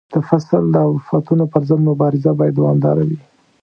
د فصل د آفتونو پر ضد مبارزه باید دوامداره وي.